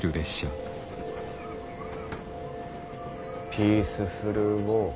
ピースフルウォーか。